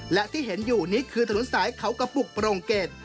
และที่เห็นอยู่นี้คือถนนสายเขากระปุกโปรงเกต